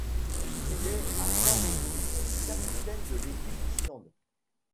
Il est à trois reprises le capitaine de l'équipe d'Islande.